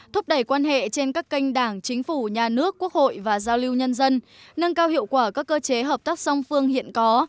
thúc đẩy quan hệ trên các kênh đảng chính phủ nhà nước quốc hội và giao lưu nhân dân nâng cao hiệu quả các cơ chế hợp tác song phương hiện có